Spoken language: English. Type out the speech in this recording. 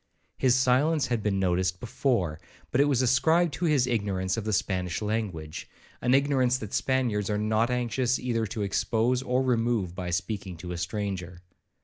His silence had been noticed before, but it was ascribed to his ignorance of the Spanish language, an ignorance that Spaniards are not anxious either to expose or remove by speaking to a stranger.